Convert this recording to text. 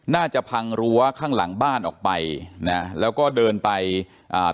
น่าจะพังรั้วข้างหลังบ้านออกไปนะแล้วก็เดินไปอ่า